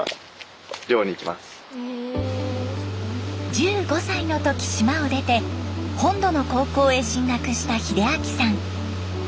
１５歳の時島を出て本土の高校へ進学した秀明さん。